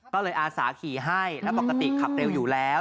ก็เลยอาสาขี่ให้แล้วปกติขับเร็วอยู่แล้ว